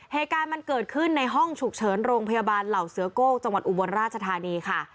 เหตุการณ์มันเกิดขึ้นในห้องฉุกเฉินโรงพยาบาลเหล่าเสือโก้จังหวัดอุบลราชธานีค่ะ